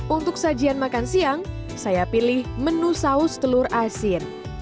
untuk sajian makan siang saya pilih menu saus telur asin